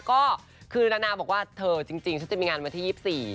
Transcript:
ก็คือนานาบอกว่าเธอจริงฉันจะมีงานวันที่๒๔